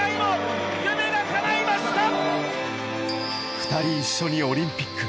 ２人一緒にオリンピック。